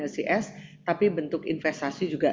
cs tapi bentuk investasi juga